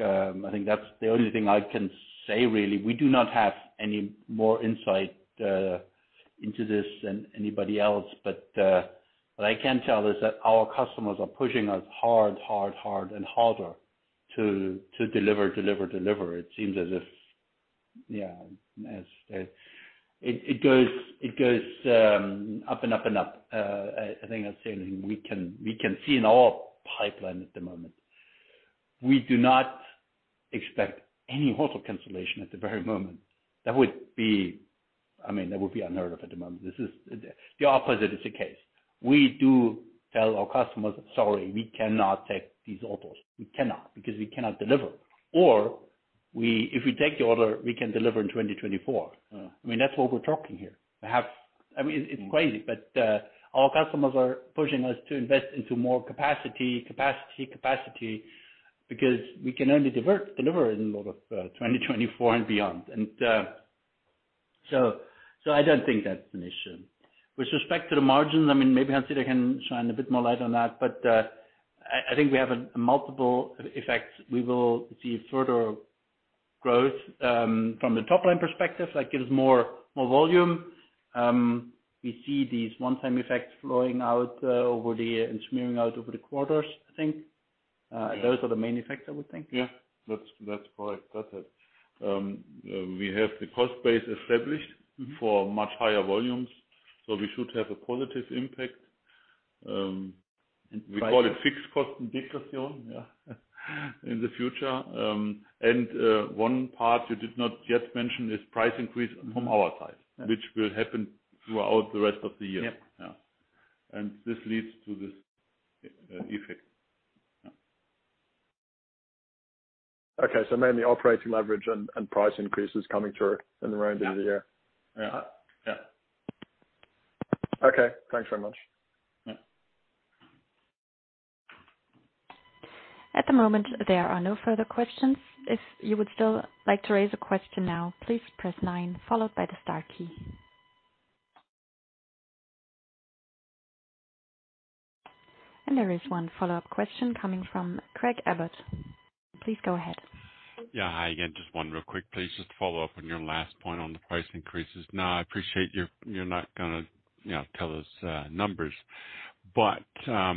I think that's the only thing I can say really. We do not have any more insight into this than anybody else. What I can tell is that our customers are pushing us hard and harder to deliver. It seems as if yeah, as it goes up and up and up. I think I said we can see in our pipeline at the moment, we do not expect any auto cancellation at the very moment. That would be, I mean, that would be unheard of at the moment. This is the opposite is the case. We do tell our customers, "Sorry, we cannot take these orders. We cannot because we cannot deliver." Or we, if we take the order, we can deliver in 2024. Mm-hmm. I mean, that's what we're talking here. Perhaps I mean, it's crazy, but our customers are pushing us to invest into more capacity, because we can only deliver in the middle of 2024 and beyond. So I don't think that's an issue. With respect to the margins, I mean, maybe Hans-Dieter can shine a bit more light on that, but I think we have a multiple effects. We will see further growth from the top line perspective that gives more volume. We see these one-time effects flowing out over the year and smearing out over the quarters, I think. Those are the main effects, I would think. Yeah, that's correct. That's it. We have the cost base established. Mm-hmm. for much higher volumes, so we should have a positive impact. By- We call it fixed cost decrease here, yeah, in the future. One part you did not yet mention is price increase from our side. Yeah. Which will happen throughout the rest of the year. Yeah. Yeah. This leads to this effect. Yeah. Okay. Mainly operating leverage and price increases coming through in the remainder of the year. Yeah. Yeah. Okay. Thanks very much. Yeah. At the moment, there are no further questions. If you would still like to raise a question now, please press nine followed by the star key. There is one follow-up question coming from Craig Abbott. Please go ahead. Yeah. Hi again. Just one real quick, please. Just to follow up on your last point on the price increases. Now, I appreciate you're not gonna, you know, tell us numbers, but have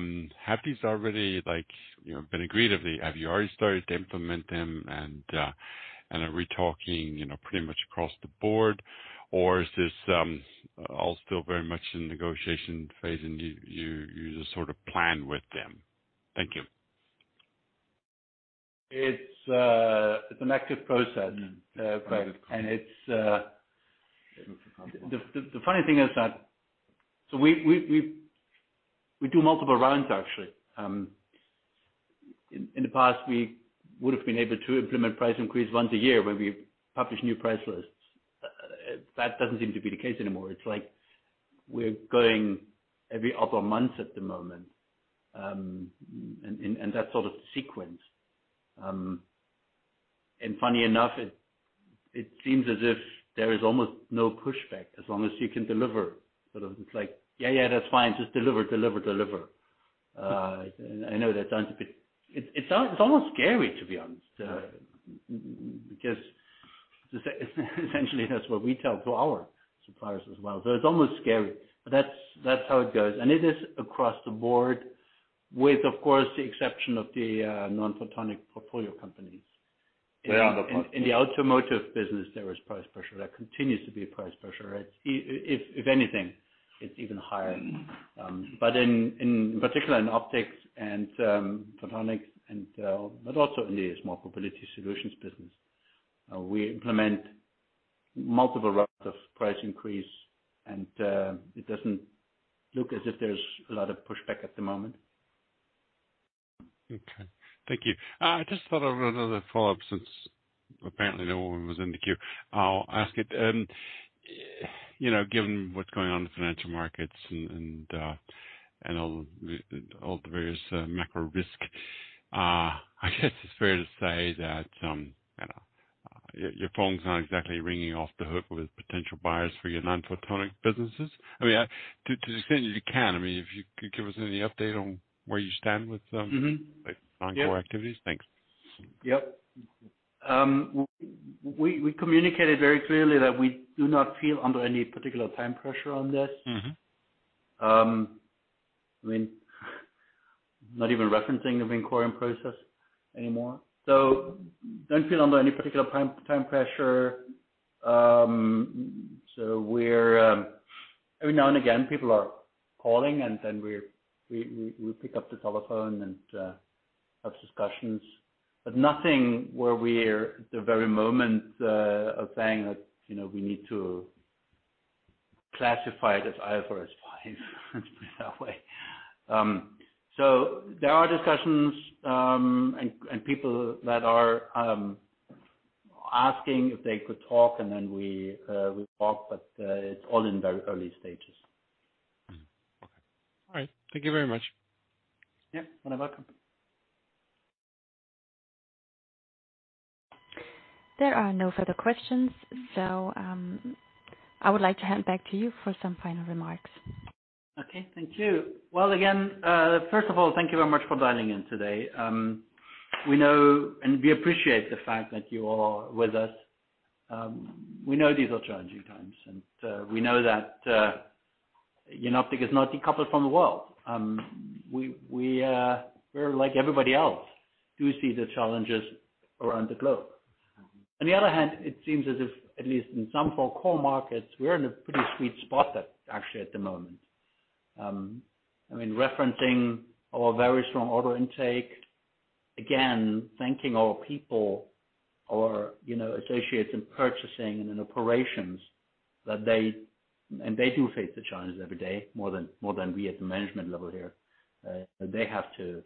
you already started to implement them and are we talking, you know, pretty much across the board? Or is this all still very much in negotiation phase and you just sort of plan with them? Thank you. It's an active process. Mm-hmm. The funny thing is that so we do multiple rounds actually. In the past we would've been able to implement price increase once a year when we publish new price lists. That doesn't seem to be the case anymore. It's like we're going every other month at the moment. And that sort of sequence. Funny enough it seems as if there is almost no pushback as long as you can deliver. Sort of it's like, "Yeah, yeah, that's fine. Just deliver, deliver." I know that sounds a bit. It's almost scary, to be honest, because essentially that's what we tell to our suppliers as well. It's almost scary, but that's how it goes. It is across the board with, of course, the exception of the Non-Photonic Portfolio Companies. Yeah. In the automotive business there is price pressure. There continues to be a price pressure. It's, if anything, it's even higher. In particular in optics and photonics, but also in the Smart Mobility Solutions business, we implement multiple rounds of price increase and it doesn't look as if there's a lot of pushback at the moment. Okay. Thank you. I just thought of another follow-up since apparently no one was in the queue. I'll ask it. You know, given what's going on in the financial markets and all the various macro risk, I guess it's fair to say that, you know, your phone's not exactly ringing off the hook with potential buyers for your non-photonic businesses. I mean, to the extent you can, I mean, if you could give us any update on where you stand with Mm-hmm. like non-core activities. Yeah. Thanks. Yep. We communicated very clearly that we do not feel under any particular time pressure on this. Mm-hmm. I mean, not even referencing the inquiry process anymore, so don't feel under any particular time pressure. Every now and again, people are calling and then we pick up the telephone and have discussions. Nothing where we're at the very moment of saying that, you know, we need to classify it as IFRS 5, let's put it that way. There are discussions and people that are asking if they could talk and then we talk, but it's all in very early stages. Mm-hmm. Okay. All right. Thank you very much. Yeah. You're welcome. There are no further questions. I would like to hand back to you for some final remarks. Okay. Thank you. Well, again, first of all, thank you very much for dialing in today. We know and we appreciate the fact that you all are with us. We know these are challenging times, and we know that you know, Jenoptik is not decoupled from the world. We're like everybody else. Do you see the challenges around the globe? On the other hand, it seems as if, at least in some of our core markets, we're in a pretty sweet spot that actually at the moment. I mean, referencing our very strong order intake. Again, thanking our people, our you know, associates in purchasing and in operations that they do face the challenge every day more than we at the management level here. They have to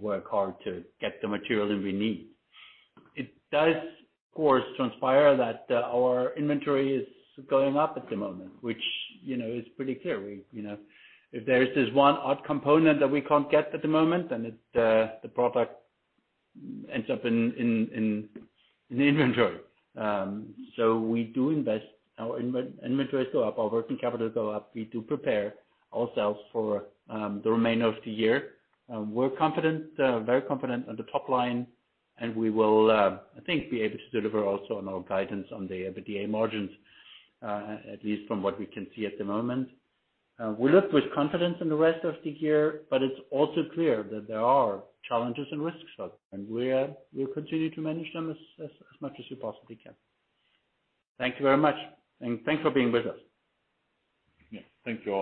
work hard to get the material that we need. It does of course transpire that our inventory is going up at the moment, which, you know, is pretty clear. If there is this one odd component that we can't get at the moment, then the product ends up in inventory. We do invest. Our inventory is still up, our working capital is still up. We do prepare ourselves for the remainder of the year. We're confident, very confident on the top line and we will, I think be able to deliver also on our guidance on the EBITDA margins, at least from what we can see at the moment. We look with confidence in the rest of the year, but it's also clear that there are challenges and risks out there, and we'll continue to manage them as much as we possibly can. Thank you very much, and thanks for being with us. Yeah. Thank you.